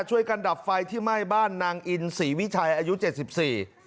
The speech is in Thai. ช่วยกันดับไฟที่ไหม้บ้านนางอินศรีวิชัยอายุเจ็ดสิบสี่